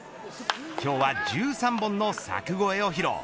今日は１３本の柵越えを披露。